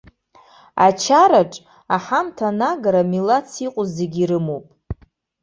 Ачараҿ аҳамҭа анагара милаҭс иҟоу зегьы ирымоуп.